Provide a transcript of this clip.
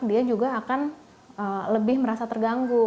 dia juga akan lebih merasa terganggu